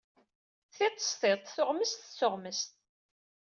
Tiṭ s tiṭ, tuɣmest s tuɣmest.